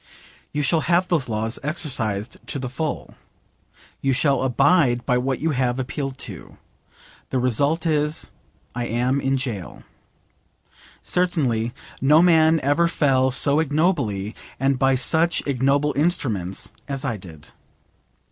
You shall have those laws exercised to the full. You shall abide by what you have appealed to.' The result is I am in gaol. Certainly no man ever fell so ignobly, and by such ignoble instruments, as I did.